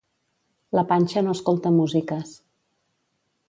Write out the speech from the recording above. La panxa no escolta músiques.